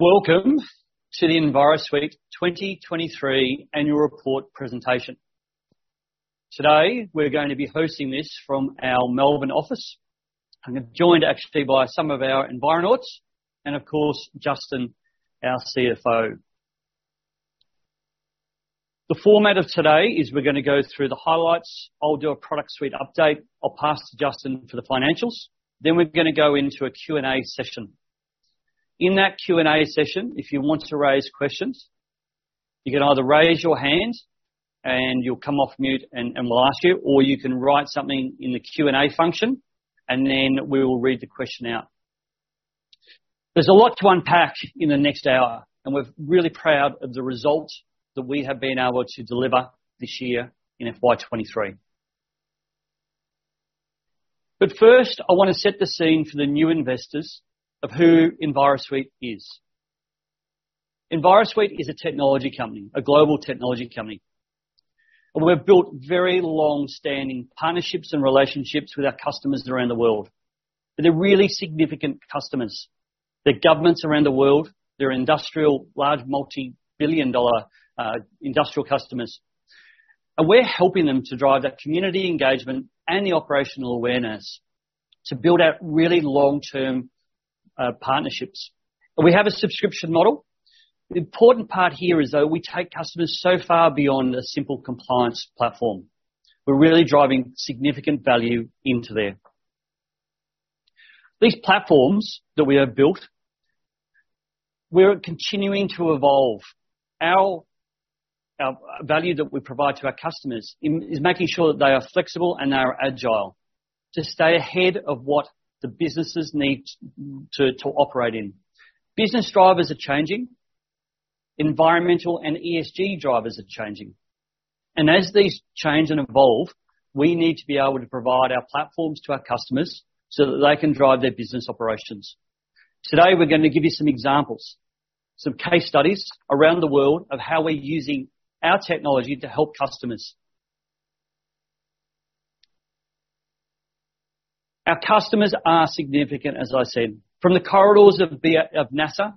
Welcome to the Envirosuite 2023 annual report presentation. Today, we're going to be hosting this from our Melbourne office. I'm joined actually by some of our Environauts, of course, Justin, our CFO. The format of today is we're going to go through the highlights, I'll do a product suite update, I'll pass to Justin for the financials, then we're going to go into a Q&A session. In that Q&A session, if you want to raise questions, you can either raise your hand and you'll come off mute and we'll ask you, or you can write something in the Q&A function, and then we will read the question out. There's a lot to unpack in the next hour, and we're really proud of the results that we have been able to deliver this year in FY 2023. First, I want to set the scene for the new investors of who Envirosuite is. Envirosuite is a technology company, a global technology company. We've built very long-standing partnerships and relationships with our customers around the world. They're really significant customers. They're governments around the world, they're industrial, large, multi-billion dollar industrial customers. We're helping them to drive that community engagement and the operational awareness to build out really long-term partnerships. We have a subscription model. The important part here is, though, we take customers so far beyond a simple compliance platform. We're really driving significant value into there. These platforms that we have built, we're continuing to evolve. Our value that we provide to our customers is making sure that they are flexible and they are agile, to stay ahead of what the businesses need to operate in. Business drivers are changing, environmental and ESG drivers are changing. As these change and evolve, we need to be able to provide our platforms to our customers so that they can drive their business operations. Today, we're going to give you some examples, some case studies around the world of how we're using our technology to help customers. Our customers are significant, as I said. From the corridors of NASA,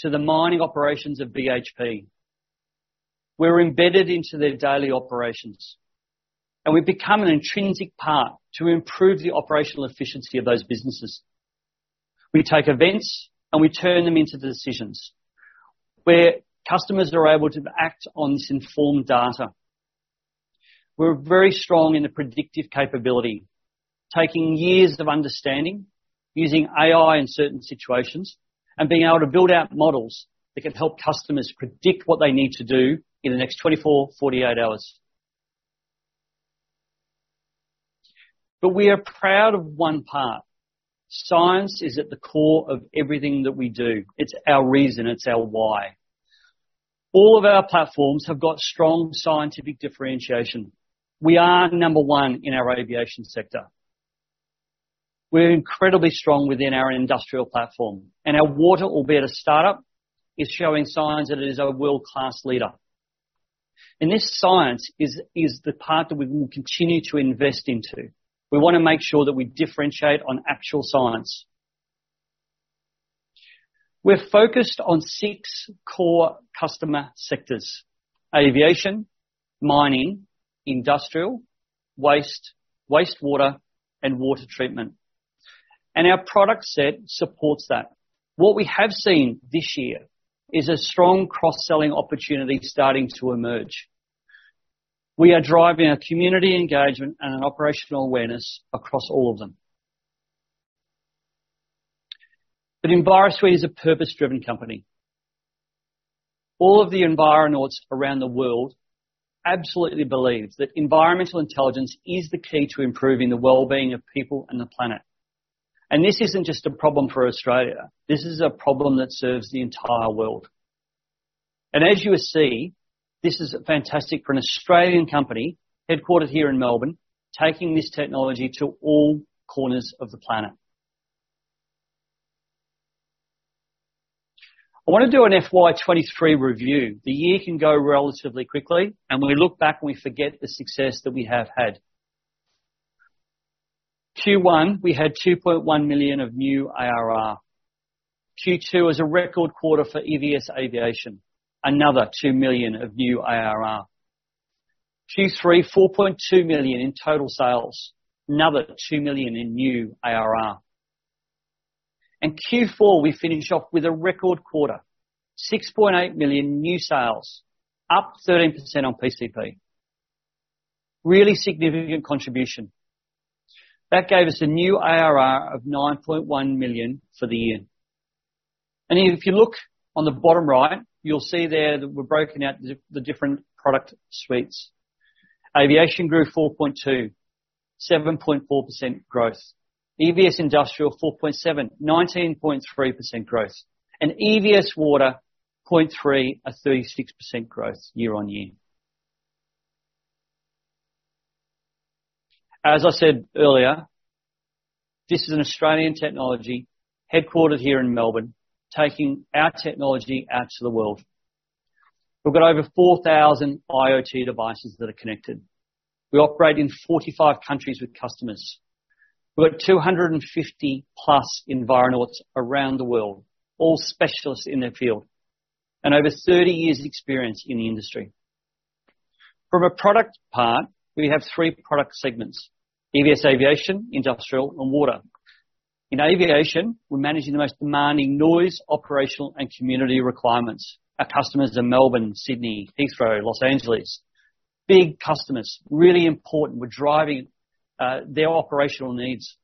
to the mining operations of BHP, we're embedded into their daily operations. We've become an intrinsic part to improve the operational efficiency of those businesses. We take events, we turn them into decisions, where customers are able to act on this informed data. We're very strong in the predictive capability, taking years of understanding, using AI in certain situations, and being able to build out models that can help customers predict what they need to do in the next 24, 48 hours. We are proud of one part. Science is at the core of everything that we do. It's our reason, it's our why. All of our platforms have got strong scientific differentiation. We are number one in our aviation sector. We're incredibly strong within our industrial platform, and our Water, albeit a startup, is showing signs that it is a world-class leader. This science is the part that we will continue to invest into. We want to make sure that we differentiate on actual science. We're focused on six core customer sectors: aviation, mining, industrial, waste, wastewater, and water treatment. Our product set supports that. What we have seen this year is a strong cross-selling opportunity starting to emerge. We are driving our community engagement and operational awareness across all of them. Envirosuite is a purpose-driven company. All of the Environauts around the world absolutely believe that environmental intelligence is the key to improving the wellbeing of people and the planet. This isn't just a problem for Australia, this is a problem that serves the entire world. As you will see, this is fantastic for an Australian company, headquartered here in Melbourne, taking this technology to all corners of the planet. I want to do an FY 2023 review. The year can go relatively quickly, and when we look back, we forget the success that we have had. Q1, we had 2.1 million of new ARR. Q2 was a record quarter for EVS Aviation, another 2 million of new ARR. Q3, 4.2 million in total sales, another 2 million in new ARR. Q4, we finished off with a record quarter, 6.8 million new sales, up 13% on PCP. Really significant contribution. That gave us a new ARR of 9.1 million for the year. If you look on the bottom right, you'll see there that we've broken out the different product suites. Aviation grew 4.2, 7.4% growth. EVS Industrial, 4.7, 19.3% growth, and EVS Water, 0.3, a 36% growth year on year. As I said earlier, this is an Australian technology, headquartered here in Melbourne, taking our technology out to the world. We've got over 4,000 IoT devices that are connected. We operate in 45 countries with customers. We've got 250+ Environauts around the world, all specialists in their field, and over 30 years of experience in the industry. From a product part, we have three product segments: EVS Aviation, Industrial, and Water. In aviation, we're managing the most demanding noise, operational, and community requirements. Our customers are Melbourne, Sydney, Heathrow, Los Angeles. Big customers, really important. We're driving their operational needs.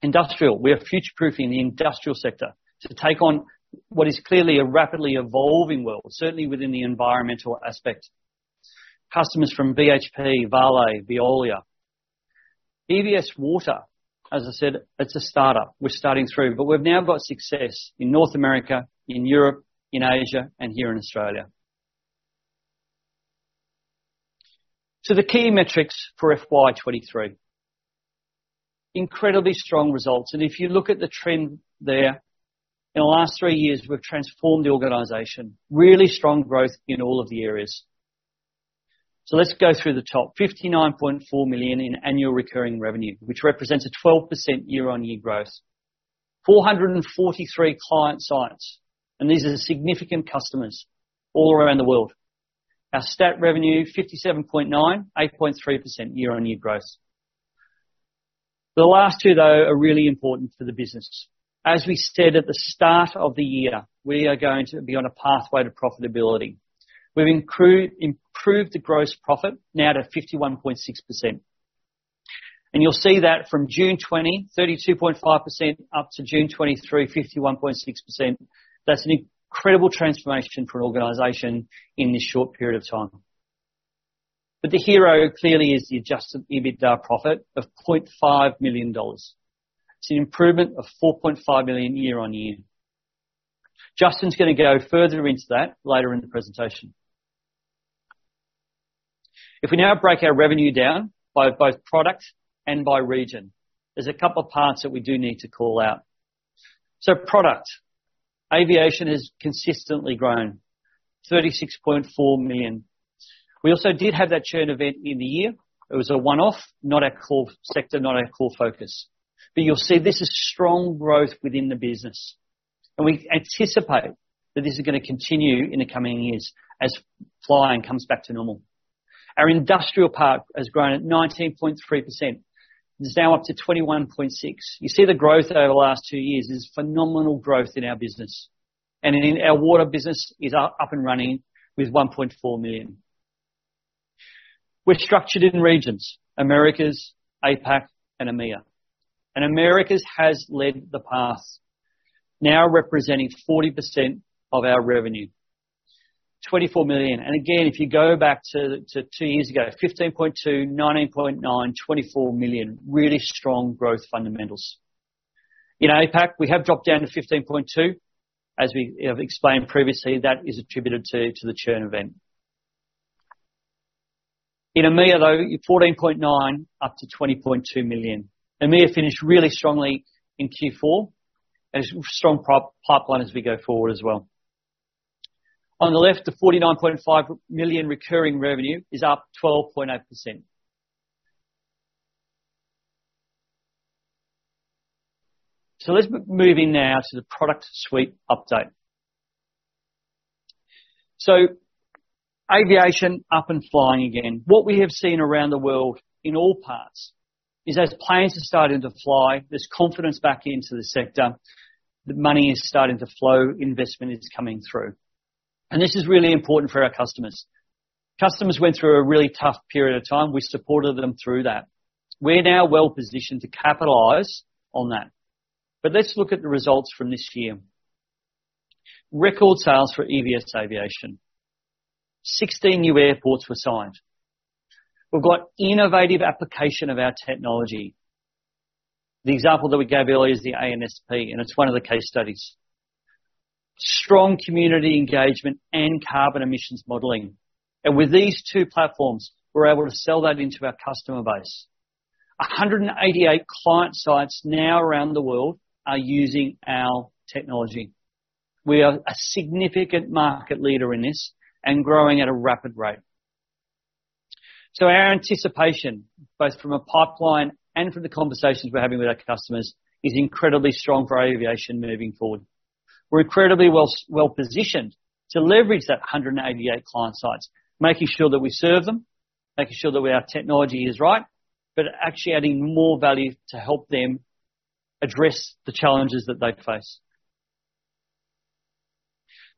Industrial, we are future-proofing the industrial sector to take on what is clearly a rapidly evolving world, certainly within the environmental aspect. Customers from BHP, Vale, Veolia. EVS Water, as I said, it's a startup. We're starting through. We've now got success in North America, in Europe, in Asia, and here in Australia. The key metrics for FY 2023. Incredibly strong results. If you look at the trend there, in the last three years, we've transformed the organization. Really strong growth in all of the areas. Let's go through the top. 59.4 million in annual recurring revenue, which represents a 12% year-on-year growth. 443 client sites, and these are significant customers all around the world. Our stat revenue, 57.9 million, 8.3% year-on-year growth. The last two, though, are really important for the business. As we said at the start of the year, we are going to be on a pathway to profitability. We've improved the gross profit now to 51.6%, and you'll see that from June 2020, 32.5%, up to June 2023, 51.6%. That's an incredible transformation for an organization in this short period of time. The hero clearly is the adjusted EBITDA profit of 0.5 million dollars. It's an improvement of 4.5 million year-over-year. Justin's gonna go further into that later in the presentation. We now break our revenue down by both product and by region, there's a couple of parts that we do need to call out. Product. Aviation has consistently grown, 36.4 million. We also did have that churn event in the year. It was a one-off, not our core sector, not our core focus. You'll see this is strong growth within the business, and we anticipate that this is gonna continue in the coming years as flying comes back to normal. Our industrial part has grown at 19.3%. It's now up to 21.6 million. You see the growth over the last two years is phenomenal growth in our business. In our Water business is up and running with 1.4 million. We're structured in regions, Americas, APAC, and EMEA. Americas has led the path, now representing 40% of our revenue, 24 million. Again, if you go back to two years ago, 15.2 million, 19.9 million, 24 million. Really strong growth fundamentals. In APAC, we have dropped down to 15.2 million. As we have explained previously, that is attributed to the churn event. In EMEA, though, 14.9 million, up to 20.2 million. EMEA finished really strongly in Q4, as strong pipeline as we go forward as well. On the left, the 49.5 million recurring revenue is up 12.8%. Let's move in now to the product suite update. Aviation, up and flying again. What we have seen around the world, in all parts, is as planes are starting to fly, there's confidence back into the sector, the money is starting to flow, investment is coming through. This is really important for our customers. Customers went through a really tough period of time. We supported them through that. We're now well positioned to capitalize on that. Let's look at the results from this year. Record sales for EVS Aviation. 16 new airports were signed. We've got innovative application of our technology. The example that we gave earlier is the ANSP, and it's one of the case studies. Strong community engagement and carbon emissions modeling. With these two platforms, we're able to sell that into our customer base. 188 client sites now around the world are using our technology. We are a significant market leader in this and growing at a rapid rate. Our anticipation, both from a pipeline and from the conversations we're having with our customers, is incredibly strong for aviation moving forward. We're incredibly well positioned to leverage that 188 client sites, making sure that we serve them, making sure that our technology is right, but actually adding more value to help them address the challenges that they face.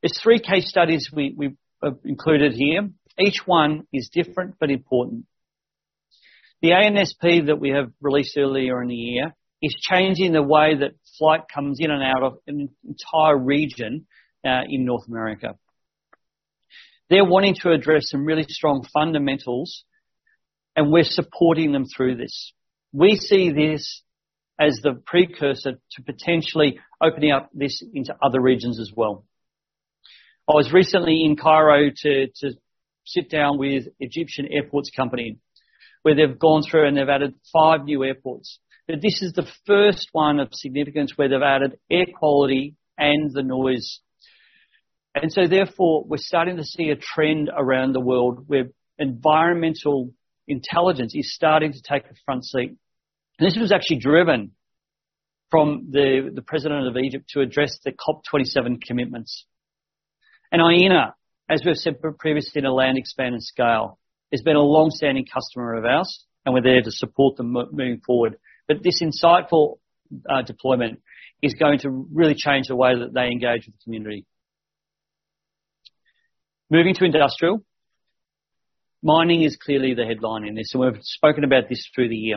There's three case studies we've included here. Each one is different but important. The ANSP that we have released earlier in the year is changing the way that flight comes in and out of an entire region in North America. They're wanting to address some really strong fundamentals, and we're supporting them through this. We see this as the precursor to potentially opening up this into other regions as well. I was recently in Cairo to sit down with Egyptian Airports Company, where they've gone through and they've added five new airports. Now, this is the first one of significance where they've added air quality and the noise. Therefore, we're starting to see a trend around the world where environmental intelligence is starting to take a front seat. This was actually driven from the President of Egypt to address the COP27 commitments. Aena, as we've said previously in a land expand and scale, has been a long-standing customer of ours, and we're there to support them moving forward. This insightful deployment is going to really change the way that they engage with the community. Moving to industrial. Mining is clearly the headline in this, and we've spoken about this through the year.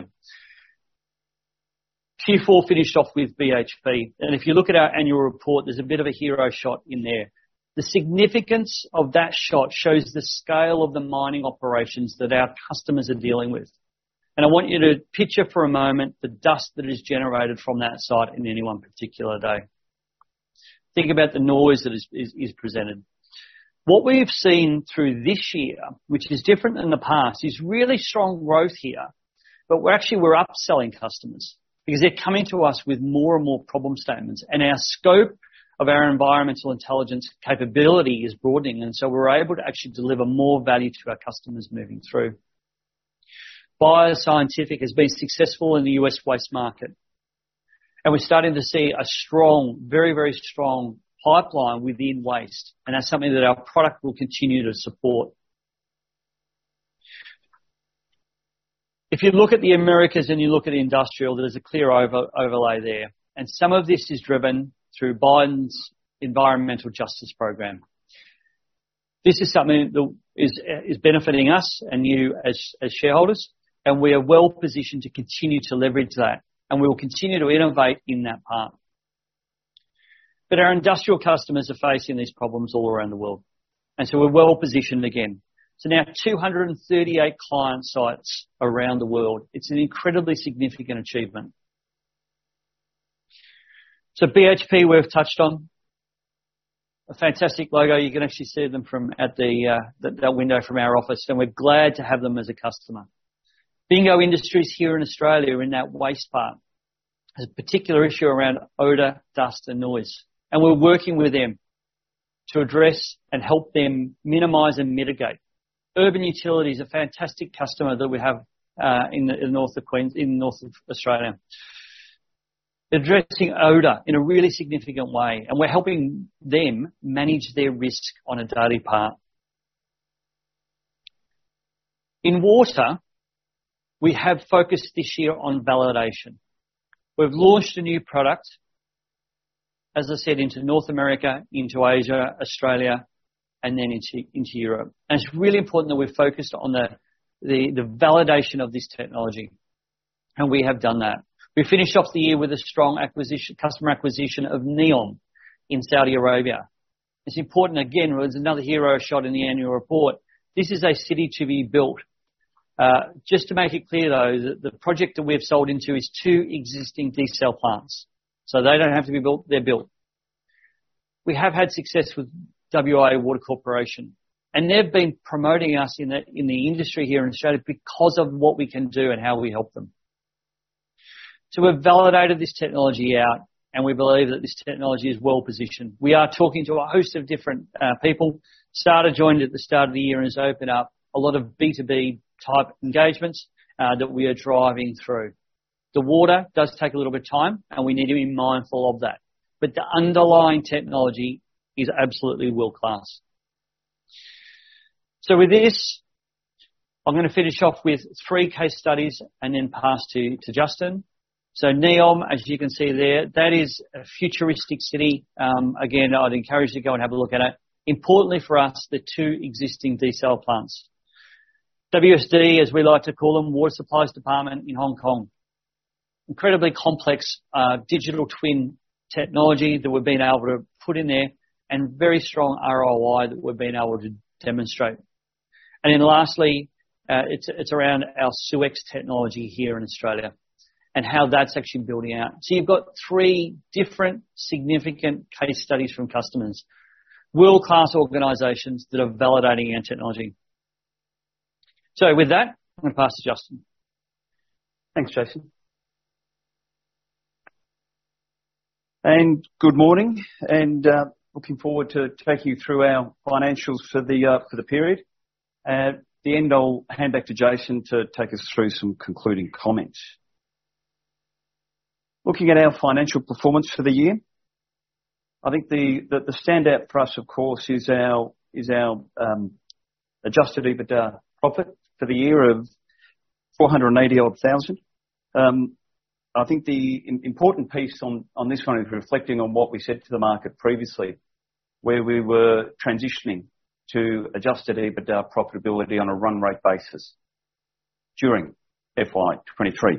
Q4 finished off with BHP, and if you look at our annual report, there's a bit of a hero shot in there. The significance of that shot shows the scale of the mining operations that our customers are dealing with. I want you to picture for a moment, the dust that is generated from that site in any one particular day. Think about the noise that is presented. What we've seen through this year, which is different than the past, is really strong growth here, but we're actually, we're upselling customers because they're coming to us with more and more problem statements, and our scope of our environmental intelligence capability is broadening, and so we're able to actually deliver more value to our customers moving through. Byers Scientific has been successful in the U.S. waste market. We're starting to see a strong, very, very strong pipeline within waste, and that's something that our product will continue to support. You look at the Americas and you look at industrial, there's a clear over-overlay there. Some of this is driven through Biden's Environmental Justice program. This is something that is benefiting us and you as shareholders, and we are well positioned to continue to leverage that, and we will continue to innovate in that path. Our industrial customers are facing these problems all around the world. We're well positioned again. Now 238 client sites around the world. It's an incredibly significant achievement. BHP, we've touched on. A fantastic logo, you can actually see them from, at the that window from our office. We're glad to have them as a customer. BINGO Industries here in Australia are in that waste part. There's a particular issue around odor, dust, and noise, and we're working with them to address and help them minimize and mitigate. Urban Utilities is a fantastic customer that we have in the in north of Queensland in north of Australia. Addressing odor in a really significant way, and we're helping them manage their risk on a daily part. In Water, we have focused this year on validation. We've launched a new product, as I said, into North America, into Asia, Australia, and then into, into Europe. It's really important that we're focused on the validation of this technology, and we have done that. We finished off the year with a strong acquisition- customer acquisition of NEOM in Saudi Arabia. It's important, again, there's another hero shot in the annual report. This is a city to be built. Just to make it clear, though, that the project that we've sold into is two existing diesel plants, so they don't have to be built, they're built. We have had success with WA Water Corporation, and they've been promoting us in the, in the industry here in Australia because of what we can do and how we help them. We've validated this technology out, and we believe that this technology is well positioned. We are talking to a host of different people. Sata joined at the start of the year and has opened up a lot of B2B type engagements that we are driving through. The Water does take a little bit of time, and we need to be mindful of that, but the underlying technology is absolutely world-class. With this, I'm gonna finish off with three case studies and then pass to Justin. NEOM, as you can see there, that is a futuristic city. Again, I'd encourage you to go and have a look at it. Importantly for us, the two existing diesel plants. WSD, as we like to call them, Water Supplies Department in Hong Kong. Incredibly complex digital twin technology that we've been able to put in there, and very strong ROI that we've been able to demonstrate. Then lastly, it's around our SeweX technology here in Australia, and how that's actually building out. You've got three different significant case studies from customers. World-class organizations that are validating our technology. With that, I'm gonna pass to Justin. Thanks, Jason. Good morning, and looking forward to taking you through our financials for the period. At the end, I'll hand back to Jason to take us through some concluding comments. Looking at our financial performance for the year, I think the, the, the standout for us, of course, is our, is our adjusted EBITDA profit for the year of 480 odd thousand. I think the important piece on this one is reflecting on what we said to the market previously, where we were transitioning to adjusted EBITDA profitability on a run rate basis during FY 2023.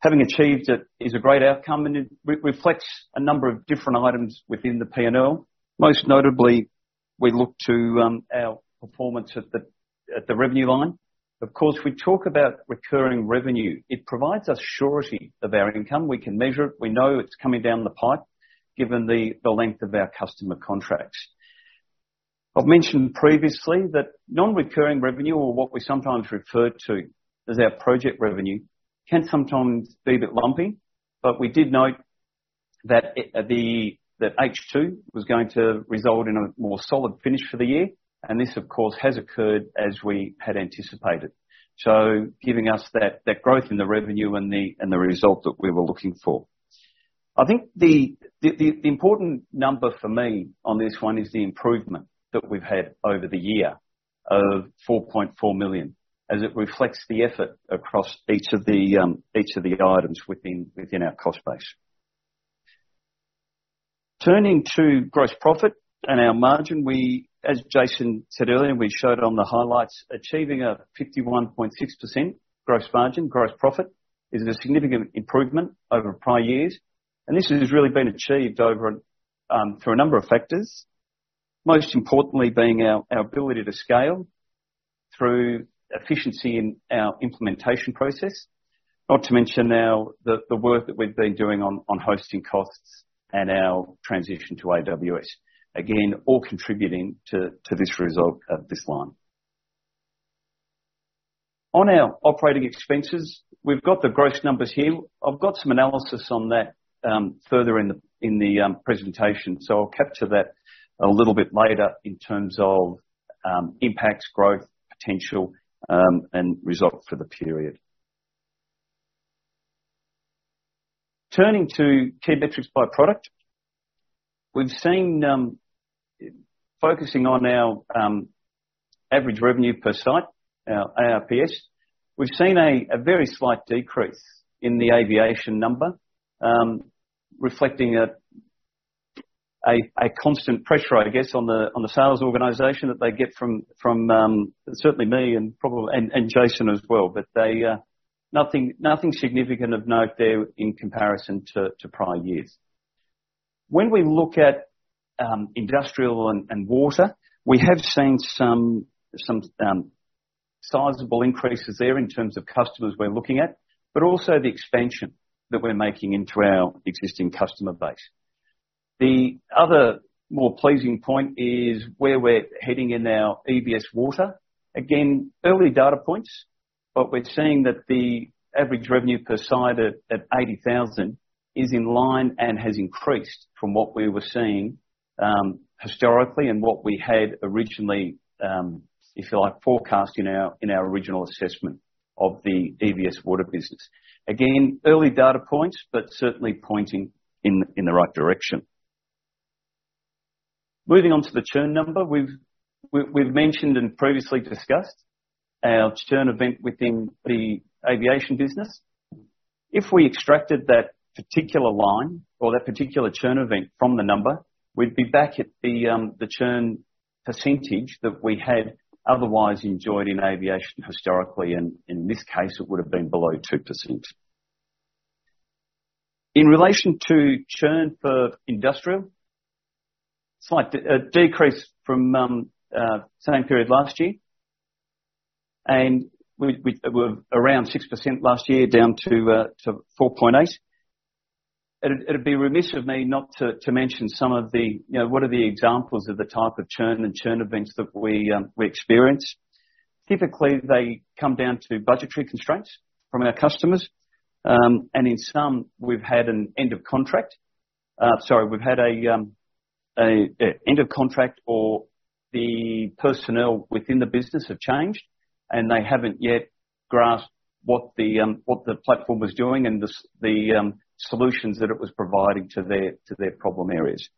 Having achieved it is a great outcome, and it reflects a number of different items within the P&L. Most notably, we look to our performance at the revenue line. Of course, we talk about recurring revenue. It provides us surety of our income. We can measure it. We know it's coming down the pipe, given the length of our customer contracts. I've mentioned previously that non-recurring revenue, or what we sometimes refer to as our project revenue, can sometimes be a bit lumpy. We did note that H2 was going to result in a more solid finish for the year. This, of course, has occurred as we had anticipated. Giving us that growth in the revenue and the result that we were looking for. I think the important number for me on this one is the improvement that we've had over the year of 4.4 million, as it reflects the effort across each of the items within our cost base. Turning to gross profit and our margin, we, as Jason said earlier, and we showed on the highlights, achieving a 51.6% gross margin, gross profit, is a significant improvement over prior years. This has really been achieved through a number of factors. Most importantly, being our ability to scale through efficiency in our implementation process. Not to mention now, the work that we've been doing on hosting costs and our transition to AWS. Again, all contributing to this result at this line. On our operating expenses, we've got the gross numbers here. I've got some analysis on that further in the presentation, so I'll capture that a little bit later in terms of impacts, growth, potential, and result for the period. Turning to key metrics by product. We've seen, focusing on our average revenue per site, our ARPS, we've seen a, a very slight decrease in the aviation number, reflecting a, a, a constant pressure, I guess, on the, on the sales organization that they get from, from certainly me and probably, and, and Jason as well. But they, nothing, nothing significant of note there in comparison to, to prior years. When we look at Industrial and, and Water, we have seen some, some sizable increases there in terms of customers we're looking at, but also the expansion that we're making into our existing customer base. The other more pleasing point is where we're heading in our EVS Water. Again, early data points, but we're seeing that the average revenue per site at 80,000 is in line and has increased from what we were seeing historically, and what we had originally, if you like, forecast in our, in our original assessment of the EVS Water business. Again, early data points, but certainly pointing in, in the right direction. Moving on to the churn number. We've mentioned and previously discussed our churn event within the aviation business. If we extracted that particular line or that particular churn event from the number, we'd be back at the churn percentage that we had otherwise enjoyed in aviation historically, and in this case, it would have been below 2%. In relation to churn for industrial, slight decrease from same period last year, and we, we, were around 6% last year down to 4.8. It'd, it'd be remiss of me not to, to mention some of the, you know, what are the examples of the type of churn and churn events that we experience. Typically, they come down to budgetary constraints from our customers, and in some, we've had an end of contract. Sorry, we've had a end of contract or the personnel within the business have changed, and they haven't yet grasped what the platform was doing and the solutions that it was providing to their, to their problem areas.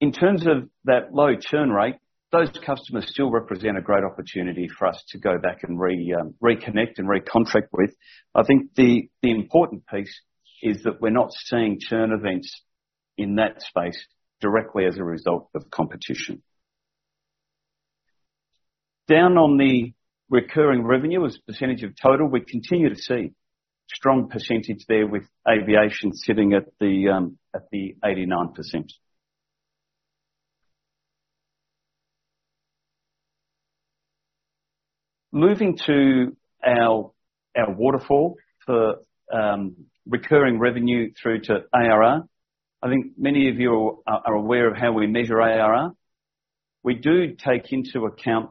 In terms of that low churn rate, those customers still represent a great opportunity for us to go back and reconnect and recontract with. I think the important piece is that we're not seeing churn events in that space directly as a result of competition. Down on the recurring revenue, as a percentage of total, we continue to see strong percentage there with aviation sitting at the 89%. Moving to our waterfall for recurring revenue through to ARR. I think many of you are aware of how we measure ARR. We do take into account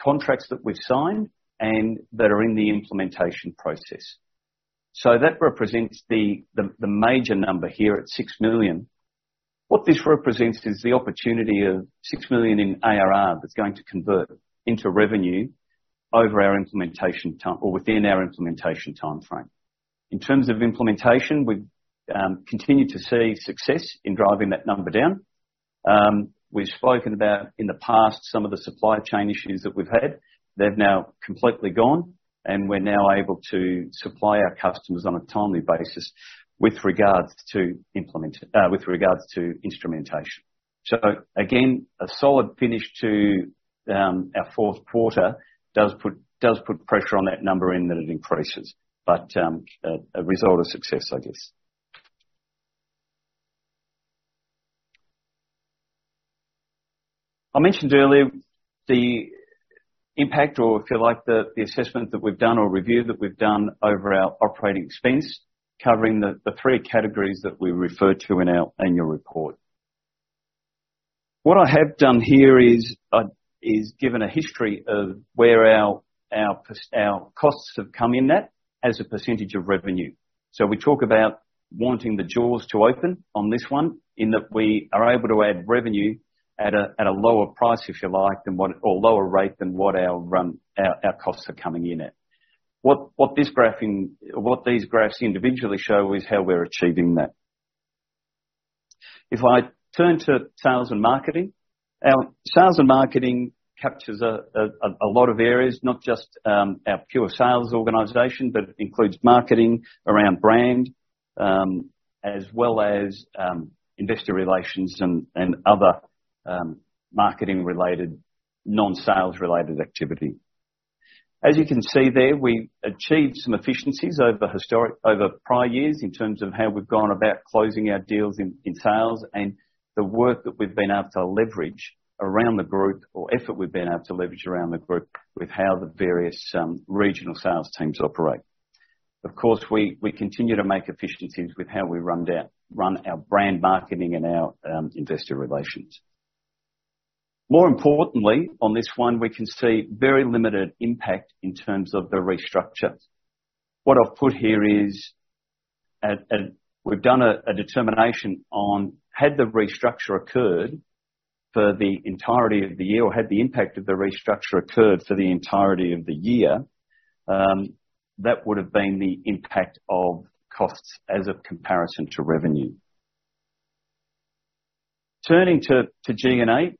contracts that we've signed and that are in the implementation process. That represents the major number here at 6 million. What this represents is the opportunity of $6 million in ARR that's going to convert into revenue over our implementation time or within our implementation timeframe. In terms of implementation, we continue to see success in driving that number down. We've spoken about, in the past, some of the supply chain issues that we've had. They've now completely gone, and we're now able to supply our customers on a timely basis with regards to instrumentation. Again, a solid finish to our fourth quarter does put, does put pressure on that number in that it increases, but a result of success, I guess. I mentioned earlier the impact, or if you like, the assessment that we've done or review that we've done over our operating expense, covering the three categories that we refer to in our annual report. What I have done here is given a history of where our costs have come in at, as a percentage of revenue. We talk about wanting the jaws to open on this one, in that we are able to add revenue at a lower price, if you like, than what, or lower rate than what our costs are coming in at. What these graphs individually show is how we're achieving that. If I turn to sales and marketing, our sales and marketing captures a lot of areas, not just our pure sales organization, but includes marketing around brand, as well as investor relations and other marketing related, non-sales related activity. As you can see there, we've achieved some efficiencies over prior years, in terms of how we've gone about closing our deals in, in sales, and the work that we've been able to leverage around the group, or effort we've been able to leverage around the group, with how the various regional sales teams operate. Of course, we, we continue to make efficiencies with how we run our brand marketing and our investor relations. More importantly, on this one, we can see very limited impact in terms of the restructure. What I've put here is, we've done a, a determination on, had the restructure occurred for the entirety of the year, or had the impact of the restructure occurred for the entirety of the year, that would've been the impact of costs as a comparison to revenue. Turning to G&A,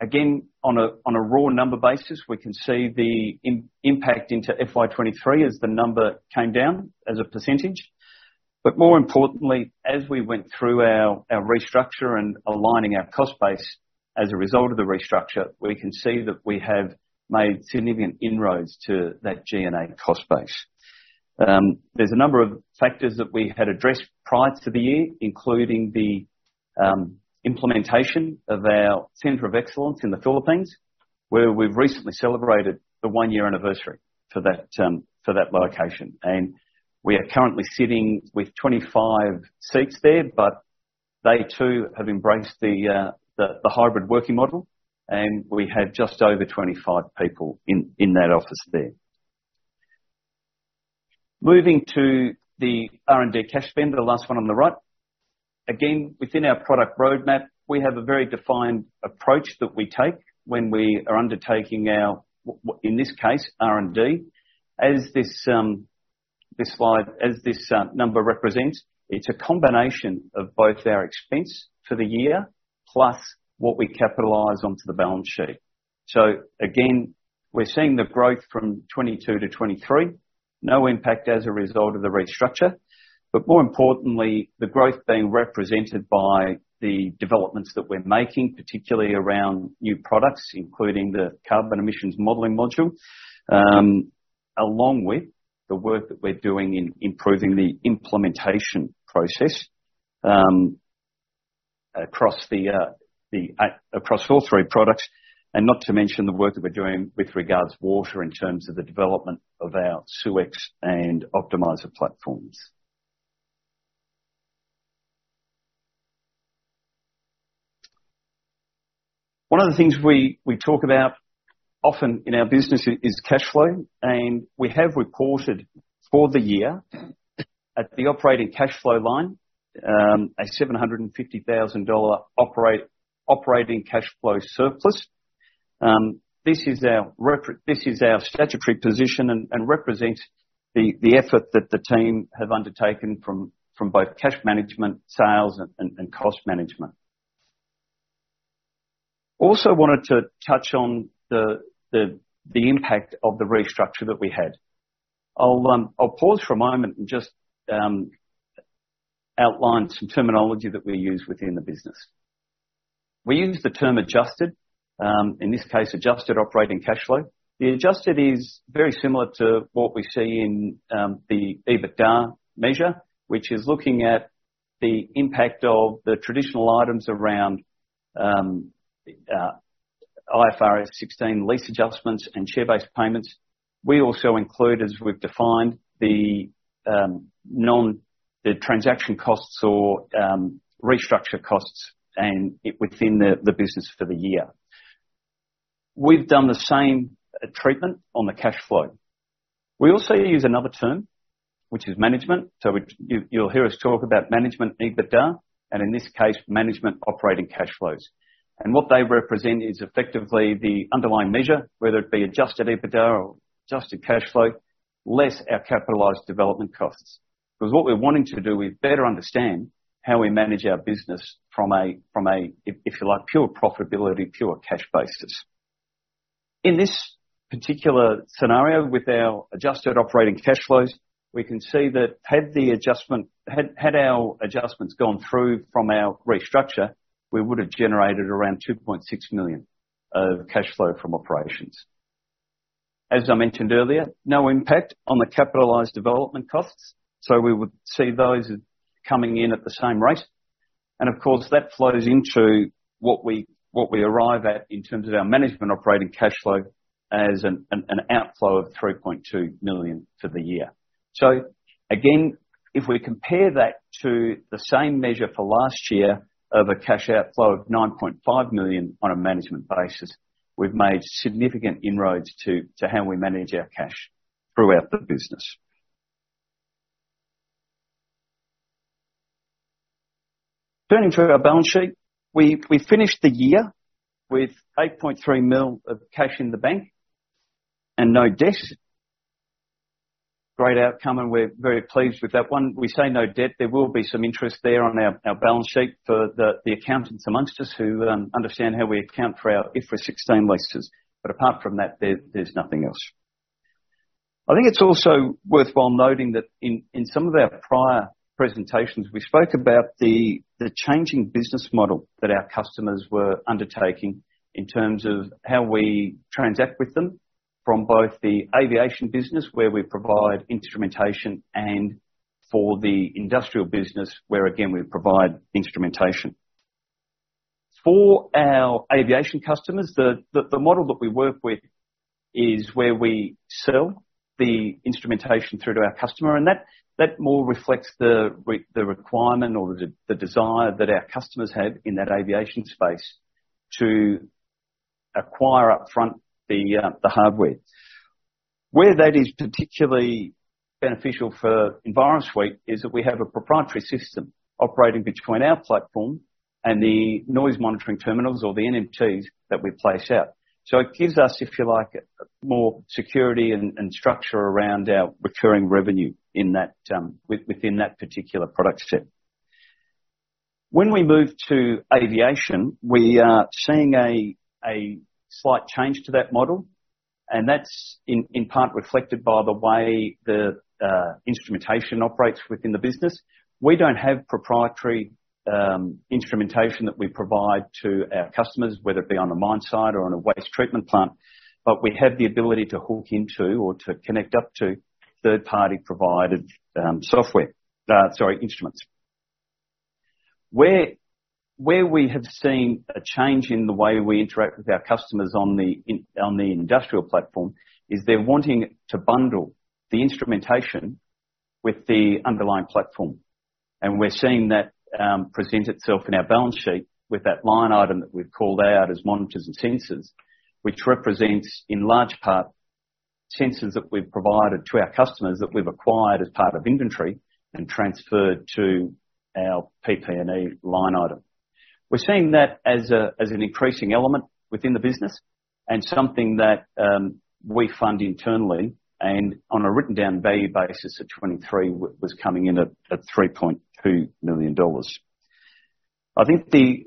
again, on a raw number basis, we can see the impact into FY 2023 as the number came down as a %. More importantly, as we went through our restructure and aligning our cost base as a result of the restructure, we can see that we have made significant inroads to that G&A cost base. There's a number of factors that we had addressed prior to the year, including the implementation of our center of excellence in the Philippines, where we've recently celebrated the 1-year anniversary for that location. We are currently sitting with 25 seats there, but they too have embraced the hybrid working model, and we have just over 25 people in that office there. Moving to the R&D cash spend, the last one on the right. Again, within our product roadmap, we have a very defined approach that we take when we are undertaking our in this case, R&D. As this, this slide, as this number represents, it's a combination of both our expense for the year, plus what we capitalize onto the balance sheet. Again, we're seeing the growth from 2022 to 2023, no impact as a result of the restructure. More importantly, the growth being represented by the developments that we're making, particularly around new products, including the carbon emissions modeling module, along with the work that we're doing in improving the implementation process, across the across all three products, and not to mention the work that we're doing with regards to Water, in terms of the development of our SeweX and Optimizer platforms. One of the things we, we talk about often in our business is cash flow. We have reported for the year, at the operating cash flow line, a $750,000 operating cash flow surplus. This is our statutory position, and represents the effort that the team have undertaken from both cash management, sales, and cost management. Also wanted to touch on the impact of the restructure that we had. I'll pause for a moment and just outline some terminology that we use within the business. We use the term adjusted, in this case, adjusted operating cash flow. The adjusted is very similar to what we see in the EBITDA measure, which is looking at the impact of the traditional items around IFRS 16 lease adjustments and share-based payments. We also include, as we've defined, the transaction costs or restructure costs within the business for the year. We've done the same treatment on the cash flow. We also use another term, which is management. You'll hear us talk about management EBITDA, and in this case, management operating cash flows. What they represent is effectively the underlying measure, whether it be Adjusted EBITDA or Adjusted Cash Flow, less our capitalized development costs. Because what we're wanting to do is better understand how we manage our business from a, if you like, pure profitability, pure cash basis. In this particular scenario with our adjusted operating cash flows, we can see that had our adjustments gone through from our restructure, we would have generated around 2.6 million of cash flow from operations. As I mentioned earlier, no impact on the capitalized development costs, so we would see those coming in at the same rate. Of course, that flows into what we, what we arrive at in terms of our management operating cash flow as an outflow of 3.2 million for the year. Again, if we compare that to the same measure for last year of a cash outflow of 9.5 million on a management basis, we've made significant inroads to how we manage our cash throughout the business. Turning to our balance sheet, we, we finished the year with 8.3 million of cash in the bank and no debt. Great outcome, we're very pleased with that one. We say no debt, there will be some interest there on our, our balance sheet for the, the accountants amongst us who understand how we account for our IFRS 16 leases. Apart from that, there, there's nothing else. I think it's also worthwhile noting that in, in some of our prior presentations, we spoke about the, the changing business model that our customers were undertaking in terms of how we transact with them from both the aviation business, where we provide instrumentation, and for the industrial business, where, again, we provide instrumentation. For our aviation customers, the model that we work with is where we sell the instrumentation through to our customer, and that more reflects the requirement or the desire that our customers have in that aviation space to acquire upfront the hardware. Where that is particularly beneficial for Envirosuite is that we have a proprietary system operating between our platform and the noise monitoring terminals, or the NMTs, that we place out. It gives us, if you like, more security and structure around our recurring revenue in that within that particular product set. When we move to aviation, we are seeing a slight change to that model, and that's in, in part reflected by the way the instrumentation operates within the business. We don't have proprietary instrumentation that we provide to our customers, whether it be on a mine site or on a waste treatment plant, but we have the ability to hook into or to connect up to third-party provided software. Sorry, instruments. Where we have seen a change in the way we interact with our customers on the industrial platform, is they're wanting to bundle the instrumentation with the underlying platform. We're seeing that present itself in our balance sheet with that line item that we've called out as monitors and sensors, which represents, in large part, sensors that we've provided to our customers that we've acquired as part of inventory and transferred to our PP&E line item. We're seeing that as an increasing element within the business, and something that we fund internally, and on a written down value basis of 23, was coming in at 3.2 million dollars. I think the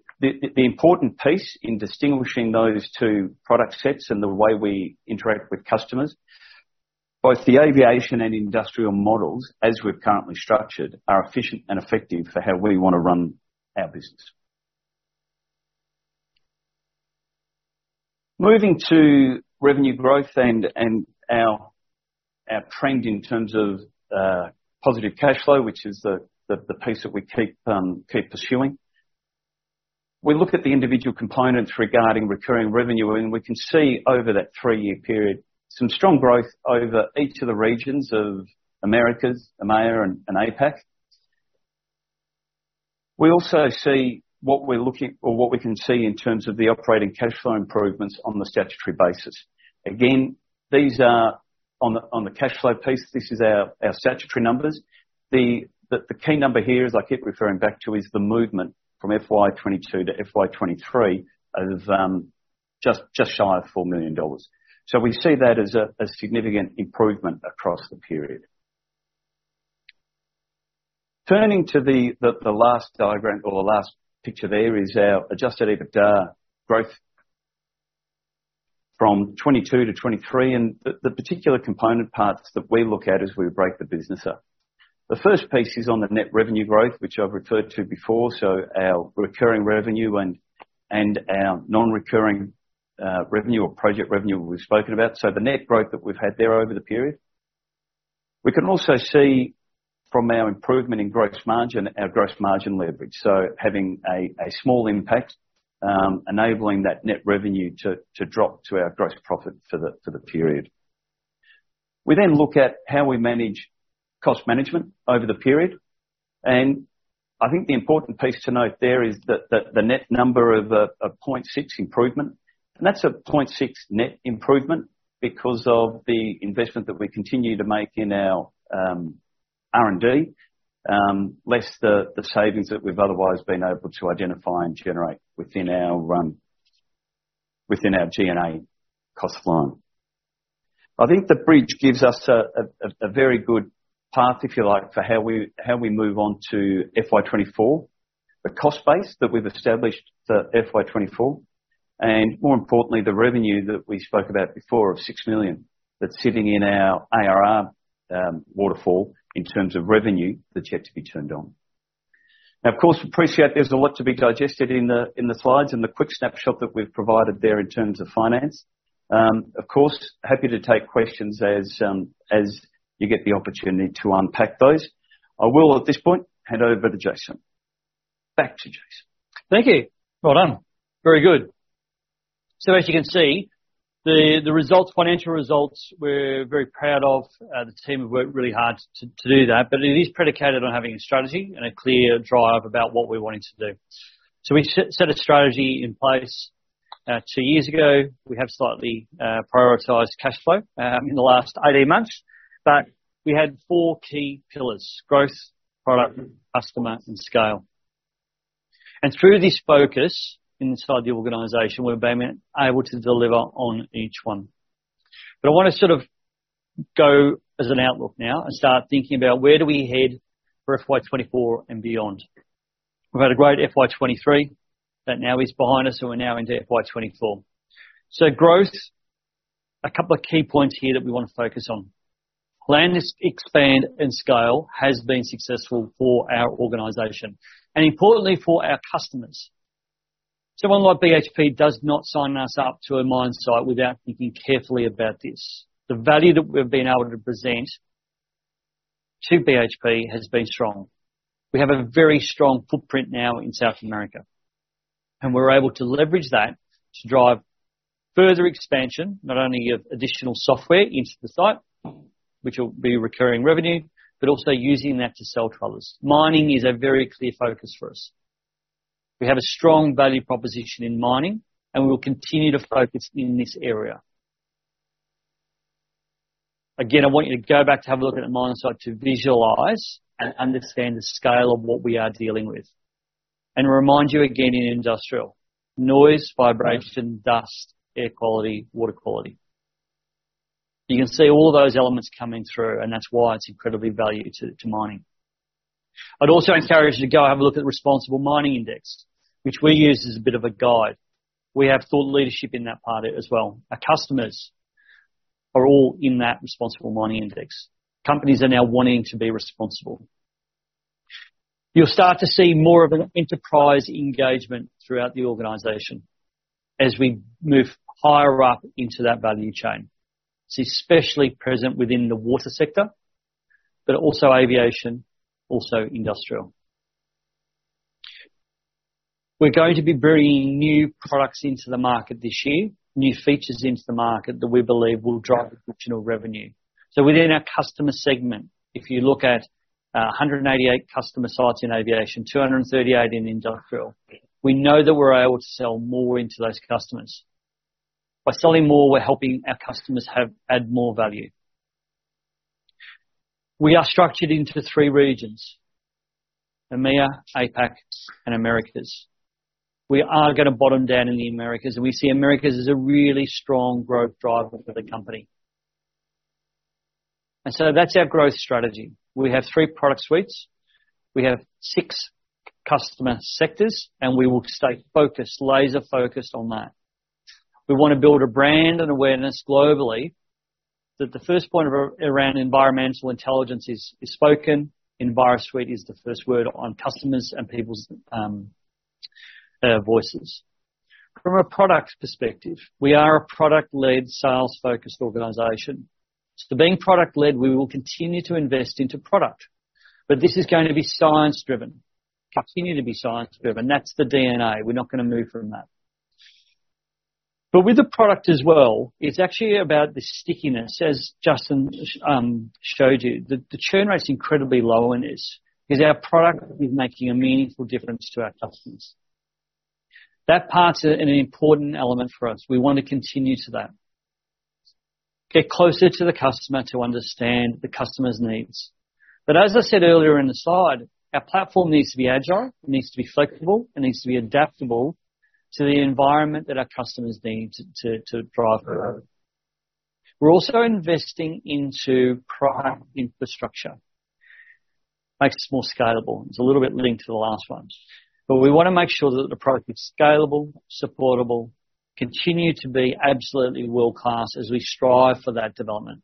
important piece in distinguishing those two product sets and the way we interact with customers, both the aviation and industrial models, as we're currently structured, are efficient and effective for how we want to run our business. Moving to revenue growth and our trend in terms of positive cash flow, which is the piece that we keep pursuing. We look at the individual components regarding recurring revenue. We can see over that 3-year period, some strong growth over each of the regions of Americas, EMEA, and APAC. We also see what we're looking, or what we can see in terms of the operating cash flow improvements on the statutory basis. Again, these are on the cash flow piece, this is our statutory numbers. The key number here, as I keep referring back to, is the movement from FY 2022 to FY 2023 is just shy of 4 million dollars. We see that as a significant improvement across the period. Turning to the last diagram or the last picture there, is our adjusted EBITDA growth from 2022 to 2023, and the particular component parts that we look at as we break the business up. The first piece is on the net revenue growth, which I've referred to before, so our recurring revenue and, and our non-recurring revenue or project revenue, we've spoken about, so the net growth that we've had there over the period. We can also see from our improvement in gross margin, our gross margin leverage, so having a, a small impact, enabling that net revenue to, to drop to our gross profit for the, for the period. We look at how we manage cost management over the period, and I think the important piece to note there is that the net number of a 0.6 improvement, and that's a 0.6 net improvement because of the investment that we continue to make in our R&D, less the savings that we've otherwise been able to identify and generate within our G&A cost line. I think the bridge gives us a very good path, if you like, for how we move on to FY 2024. The cost base that we've established for FY 2024, and more importantly, the revenue that we spoke about before of 6 million, that's sitting in our ARR waterfall in terms of revenue that's yet to be turned on. Of course, we appreciate there's a lot to be digested in the, in the slides and the quick snapshot that we've provided there in terms of finance. Of course, happy to take questions as you get the opportunity to unpack those. I will, at this point, hand over to Jason. Back to Jason. Thank you. Well done. Very good. As you can see, the results, financial results, we're very proud of. The team have worked really hard to do that, but it is predicated on having a strategy and a clear drive about what we're wanting to do. We set a strategy in place, two years ago. We have slightly prioritized cash flow in the last 18 months, but we had four key pillars: growth, product, customer, and scale. Through this focus inside the organization, we've been able to deliver on each one. I want to sort of go as an outlook now and start thinking about where do we head for FY 2024 and beyond? We've had a great FY 2023, that now is behind us, we're now into FY 2024. Growth, a couple of key points here that we want to focus on. Land, expand, and scale has been successful for our organization and importantly for our customers. Someone like BHP does not sign us up to a mine site without thinking carefully about this. The value that we've been able to present to BHP has been strong. We have a very strong footprint now in South America, and we're able to leverage that to drive further expansion, not only of additional software into the site, which will be recurring revenue, but also using that to sell to others. Mining is a very clear focus for us. We have a strong value proposition in mining, and we will continue to focus in this area. Again, I want you to go back to have a look at the mine site to visualize and understand the scale of what we are dealing with. Remind you again, in industrial: noise, vibration, dust, air quality, water quality. You can see all of those elements coming through, and that's why it's incredibly valued to, to mining. I'd also encourage you to go have a look at the Responsible Mining Index, which we use as a bit of a guide. We have thought leadership in that part as well. Our customers are all in that Responsible Mining Index. Companies are now wanting to be responsible. You'll start to see more of an enterprise engagement throughout the organization as we move higher up into that value chain. It's especially present within the Water sector, but also aviation, also industrial. We're going to be bringing new products into the market this year, new features into the market that we believe will drive additional revenue. Within our customer segment, if you look at 188 customer sites in aviation, 238 in industrial, we know that we're able to sell more into those customers. By selling more, we're helping our customers have add more value. We are structured into three regions, EMEA, APAC, and Americas. We are gonna bottom down in the Americas, and we see Americas as a really strong growth driver for the company. That's our growth strategy. We have three product suites, we have six customer sectors, and we will stay focused, laser focused on that. We want to build a brand and awareness globally, that the first point of around environmental intelligence is, is spoken, Envirosuite is the first word on customers and people's voices. From a product perspective, we are a product-led, sales-focused organization. Being product-led, we will continue to invest into product, but this is going to be science-driven, continue to be science-driven. That's the DNA. We're not gonna move from that. With the product as well, it's actually about the stickiness, as Justin showed you, the churn rate's incredibly low in this, is our product is making a meaningful difference to our customers. That part's an important element for us. We want to continue to that. Get closer to the customer to understand the customer's needs. As I said earlier in the slide, our platform needs to be agile, it needs to be flexible, it needs to be adaptable to the environment that our customers need to drive growth. We're also investing into product infrastructure. Makes us more scalable, and it's a little bit linked to the last one. We want to make sure that the product is scalable, supportable, continue to be absolutely world-class as we strive for that development.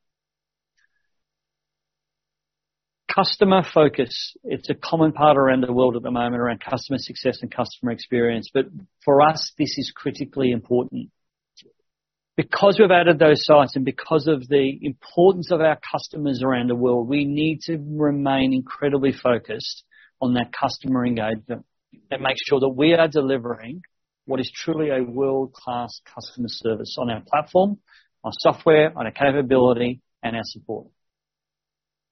Customer focus. It's a common part around the world at the moment around customer success and customer experience, but for us, this is critically important. We've added those sites and because of the importance of our customers around the world, we need to remain incredibly focused on that customer engagement, that makes sure that we are delivering what is truly a world-class customer service on our platform, our software, on our capability, and our support.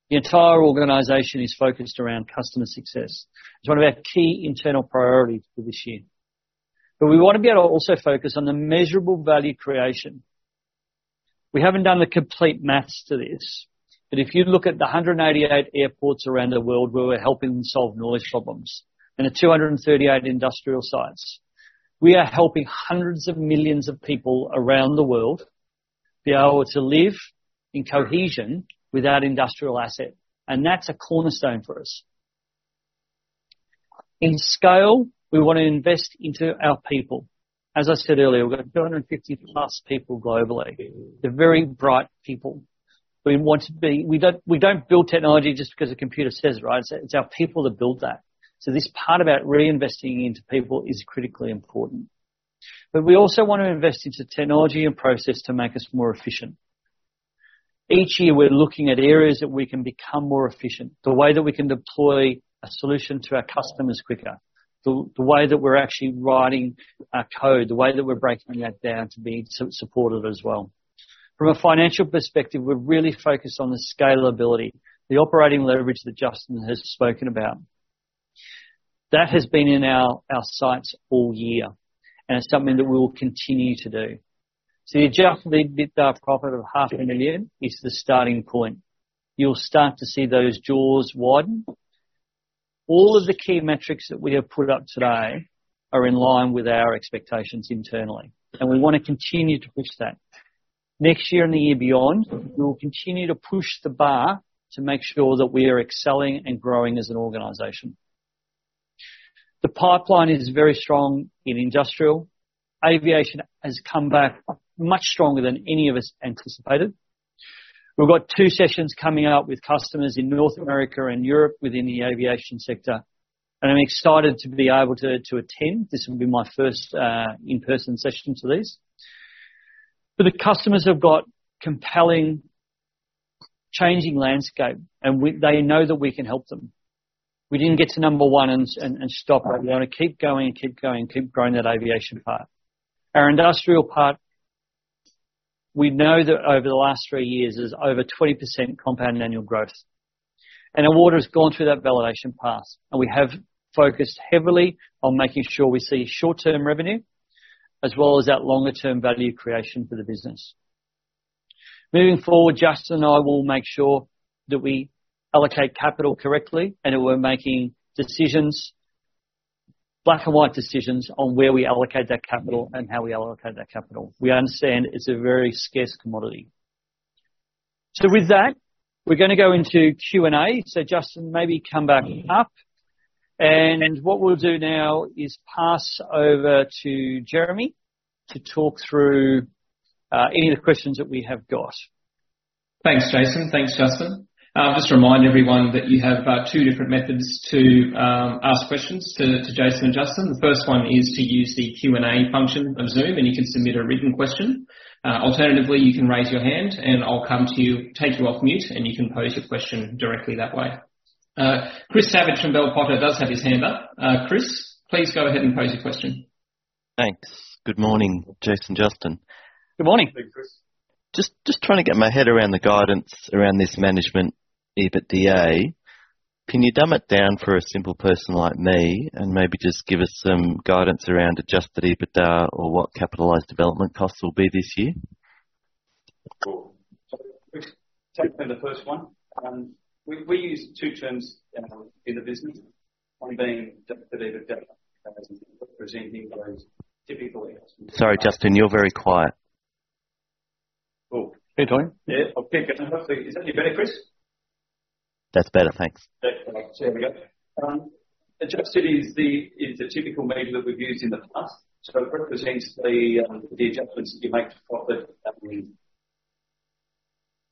The entire organization is focused around customer success. It's one of our key internal priorities for this year. We want to be able to also focus on the measurable value creation. We haven't done the complete math to this, but if you look at the 188 airports around the world where we're helping them solve noise problems and the 238 industrial sites, we are helping hundreds of millions of people around the world be able to live in cohesion with our industrial asset, and that's a cornerstone for us. In scale, we want to invest into our people. As I said earlier, we've got 250+ people globally. They're very bright people. We don't, we don't build technology just because a computer says it, right? It's our people that build that. This part about reinvesting into people is critically important. We also want to invest into technology and process to make us more efficient. Each year, we're looking at areas that we can become more efficient, the way that we can deploy a solution to our customers quicker, the way that we're actually writing our code, the way that we're breaking that down to be supportive as well. From a financial perspective, we're really focused on the scalability, the operating leverage that Justin has spoken about. That has been in our, our sights all year, and it's something that we will continue to do. The adjusted EBITDA profit of $500,000 is the starting point. You'll start to see those jaws widen. All of the key metrics that we have put up today are in line with our expectations internally, and we want to continue to push that. Next year and the year beyond, we will continue to push the bar to make sure that we are excelling and growing as an organization. The pipeline is very strong in industrial. Aviation has come back much stronger than any of us anticipated. We've got two sessions coming up with customers in North America and Europe within the aviation sector, and I'm excited to be able to, to attend. This will be my first in-person session to this. The customers have got compelling changing landscape, and they know that we can help them. We didn't get to number one and stop it. We want to keep going and keep going, keep growing that aviation part. Our industrial part, we know that over the last three years is over 20% compound annual growth, and our Water has gone through that validation pass, and we have focused heavily on making sure we see short-term revenue as well as that longer-term value creation for the business. Moving forward, Justin and I will make sure that we allocate capital correctly and that we're making decisions, black-and-white decisions, on where we allocate that capital and how we allocate that capital. We understand it's a very scarce commodity. With that, we're going to go into Q&A. Justin, maybe come back up, and what we'll do now is pass over to Jeremy to talk through any of the questions that we have got. Thanks, Jason. Thanks, Justin. Just to remind everyone that you have two different methods to ask questions to Jason and Justin. The first one is to use the Q&A function on Zoom, and you can submit a written question. Alternatively, you can raise your hand, and I'll come to you, take you off mute, and you can pose your question directly that way. Chris Savage from Bell Potter does have his hand up. Chris, please go ahead and pose your question. Thanks. Good morning, Jason and Justin. Good morning. Good morning, Chris. Just trying to get my head around the guidance around this management EBITDA. Can you dumb it down for a simple person like me, and maybe just give us some guidance around adjusted EBITDA or what capitalized development costs will be this year? Cool. Take them the first one. We, we use two terms in the business, one being the EBITDA, representing those typical- Sorry, Justin, you're very quiet. Cool. Can you hear me? Yeah, I'll kick it. Hopefully, is that any better, Chris? That's better. Thanks. There we go. Adjusted is the, is the typical measure that we've used in the past. So it represents the, the adjustments that you make to profit,